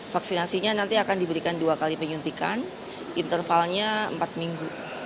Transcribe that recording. vaksinasinya nanti akan diberikan dua kali penyuntikan intervalnya empat minggu